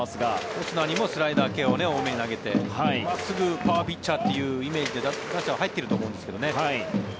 オスナにもスライダー系を多めに投げて真っすぐ、パワーピッチャーというイメージで打者は入っていると思うんですけどね。